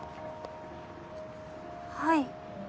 はい。